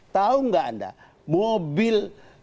tahu gak anda mobil